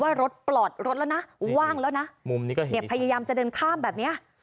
ว่ารถปลอดรถแล้วนะว่างแล้วนะมุมนี้ก็เห็นเนี่ยพยายามจะเดินข้ามแบบเนี้ย